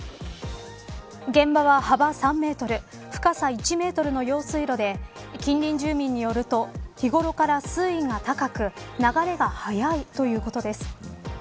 現場は幅３メートル深さ１メートルの用水路で近隣住民によると日頃から水位が高く流れが速いということです。